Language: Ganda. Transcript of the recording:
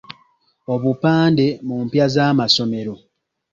Obupande mu mpya z'amasomero.